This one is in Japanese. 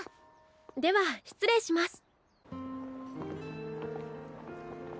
では失礼します。